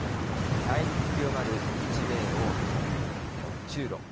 対立強まる、日米欧と中ロ。